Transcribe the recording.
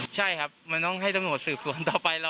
ใช่ครับมันต้องให้โต๊ะหน่วงสรุปส่วนต่อไป